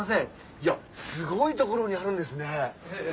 いやすごい所にあるんですね。